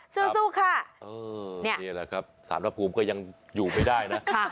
สู้สู้ค่ะเออเนี่ยเนี่ยแหละครับสารประภูมิก็ยังอยู่ไม่ได้นะค่ะ